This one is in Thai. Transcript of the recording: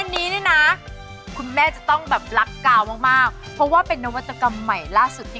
นี่แล้วจิ๊วมันไม่ได้